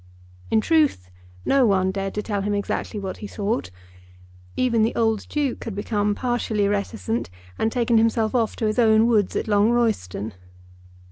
In truth no one dared to tell him exactly what he thought. Even the old Duke had become partially reticent, and taken himself off to his own woods at Long Royston.